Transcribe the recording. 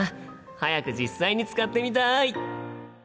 早く実際に使ってみたい！